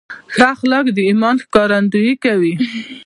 ښه اخلاق د ایمان ښکارندویي کوي.